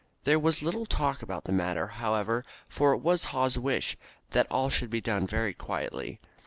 There was little talk about the matter, however, for it was Haw's wish that all should be done very quietly.